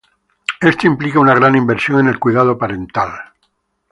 Esto implica una gran inversión en el cuidado parental.